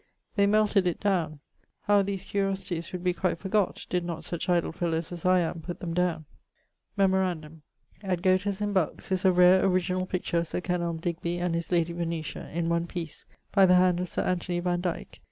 They melted it downe. How these curiosities would be quite forgott, did not such idle fellowes as I am putt them downe! Memorandum: at Goathurst, in Bucks, is a rare originall picture of Sir Kenelme Digby and his lady Venetia, in one piece, by the hand of Sir Anthony van Dyke.